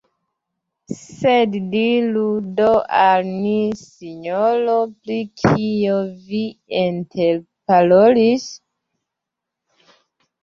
Sed diru do al ni, sinjoro, pri kio vi interparolis?